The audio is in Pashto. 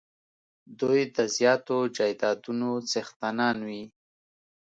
دوی د زیاتو جایدادونو څښتنان وي.